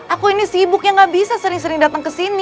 aku ini sibuk yang gak bisa sering sering datang kesini